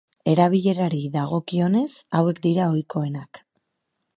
Erabilerari dagokionez hauek dira ohikoenak.